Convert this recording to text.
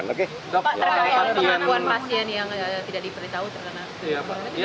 pak terang pengakuan pasien yang tidak diberitahu terkena